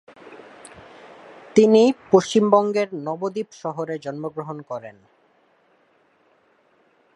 তিনি পশ্চিমবঙ্গের নবদ্বীপ শহরে জন্মগ্রহণ করেন।